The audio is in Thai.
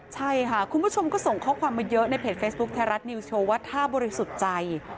ใช่ค่ะคุณผู้ชมก็ส่งข้อความมาเยอะในเพจเฟซบุ๊คไทยรัฐนิวโชว์ว่าถ้าบริสุทธิ์ใจ